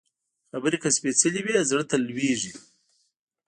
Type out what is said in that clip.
خبرې که سپېڅلې وي، زړه ته لوري